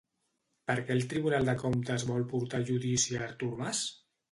Per què el tribunal de comptes vol portar a judici a Artur Mas?